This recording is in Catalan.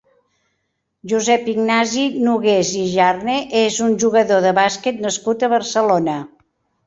Josep Ignasi Nogués i Jarne és un jugador de bàsquet nascut a Barcelona.